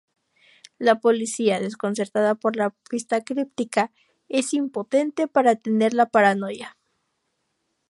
La policía, desconcertada por la pista críptica, es impotente para detener la paranoia.